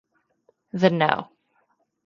The no.